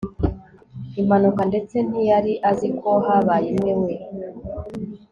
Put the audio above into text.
impanuka, ndetse ntiyari azi ko habaye imwe. we